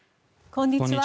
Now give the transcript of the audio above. こんにちは。